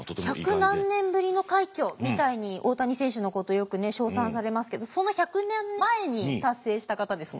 「百何年ぶりの快挙」みたいに大谷選手のことよくね称賛されますけどその１００年前に達成した方ですもんね。